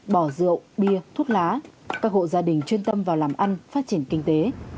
bỏ rượu bia thuốc lá các hộ gia đình chuyên tâm vào làm ăn phát triển kinh tế